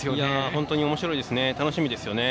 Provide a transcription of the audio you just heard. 本当におもしろいですね。